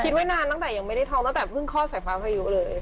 ไว้นานตั้งแต่ยังไม่ได้ท้องตั้งแต่เพิ่งคลอดสายฟ้าพายุเลย